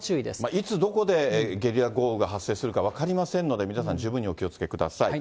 いつどこでゲリラ豪雨が発生するか分かりませんので、皆さん、十分にお気をつけください。